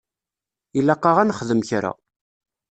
Ilaq-aɣ ad nexdem kra.